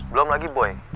belom lagi boy